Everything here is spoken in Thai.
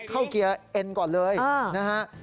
เข้าเกียร์เอ็นก่อนเลยนะฮะ